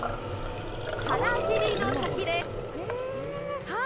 原尻の滝です。